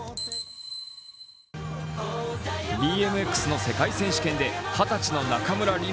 ＢＭＸの世界選手権で、二十歳の中村輪